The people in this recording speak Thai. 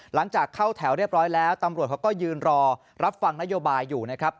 หลังจากเข้าแถวเรียบร้อยแล้วตำรวจเขาก็ยืนรอรับฟังนโยบายอยู่นะครับ